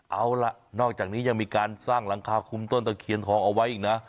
เอาล่ะนอกจากนี้ยังมีการสร้างหลังคาคุมต้นตะเคียนทองเอาไว้อีกนะ